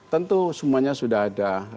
tentu semuanya sudah ada